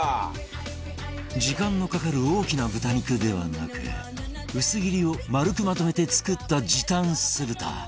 時間のかかる大きな豚肉ではなく薄切りを丸くまとめて作った時短酢豚